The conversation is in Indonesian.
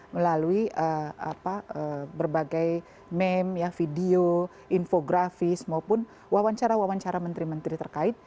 melalui berbagai meme video infografis maupun wawancara wawancara menteri menteri terkait